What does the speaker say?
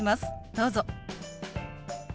どうぞ。